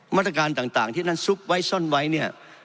มาตรการต่างที่นั่นซุกไว้ซ่อนไว้เนี่ย